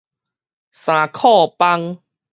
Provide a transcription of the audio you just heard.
衫褲枋